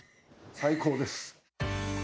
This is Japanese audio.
最高です！